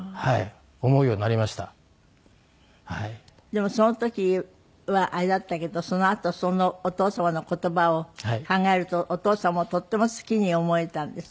でもその時はあれだったけどそのあとそのお父様の言葉を考えるとお父様をとっても好きに思えたんですって？